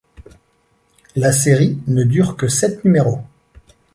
La série ne dure que sept numéros.